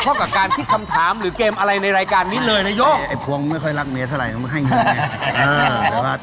เป็นคนซื่อไงพยายามจะอธิบายให้ฟังว่า